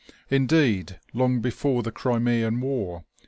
Indeed, long before the Crimean war.